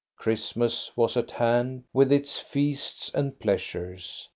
Christmas was at hand, with its feasts and pleasures.